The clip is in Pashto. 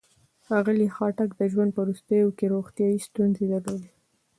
ښاغلي خټک د ژوند په وروستیو کې روغتيايي ستونزې درلودې.